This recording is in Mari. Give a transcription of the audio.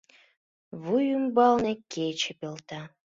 Вуй ӱмбалне кече пелта.